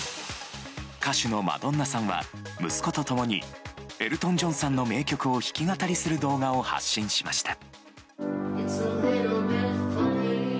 歌手のマドンナさんは息子と共にエルトン・ジョンさんの名曲を弾き語りする動画を発信しました。